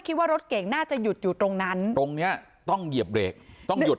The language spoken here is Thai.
คิดว่ารถเก่งน่าจะหยุดอยู่ตรงนั้นตรงเนี้ยต้องเหยียบเบรกต้องหยุด